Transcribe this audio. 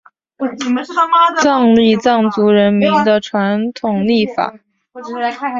藏历藏族人民的传统历法。